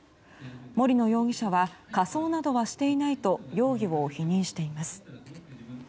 森野容疑者は仮装などはしていないと容疑を否認しています。